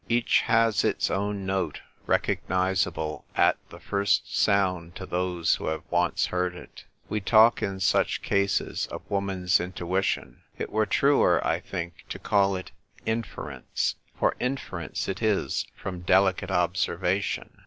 Each has its own note, recog nisable at the first sound to those who have once heard it We talk in such cases of woman's intuition ; it were truer, I think, to call it inference, for inference it is from delicate observation.